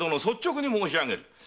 率直に申し上げる。